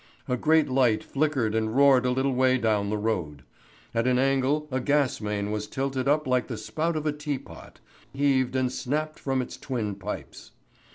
A great light flickered and roared a little way down the road. At an angle a gas main was tilted up like the spout of a teapot, upheaved and snapped from its twin pipes.